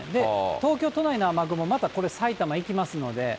東京都内の雨雲、またこれ埼玉行きますので。